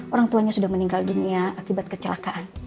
orang tuanya sudah meninggal dunia akibat kecelakaan